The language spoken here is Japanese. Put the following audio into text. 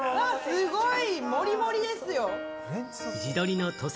すごい！